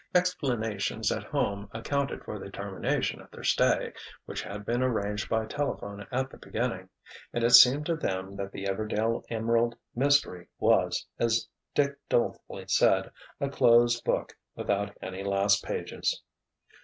Explanations at home accounted for the termination of their stay, which had been arranged by telephone at the beginning; and it seemed to them that the Everdail Emerald mystery was, as Dick dolefully said, "a closed book without any last pages."